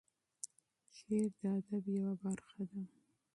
شعر د ادب یوه برخه ده.